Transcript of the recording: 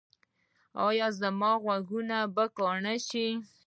ایا زما غوږونه به کڼ شي؟